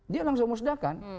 dia langsung musdakan